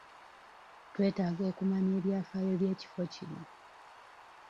Twetaaga okumanya ebyafaayo by'ekifo kino.